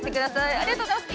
ありがとうございます。